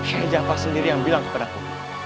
yang jaka sendiri yang bilang kepadaku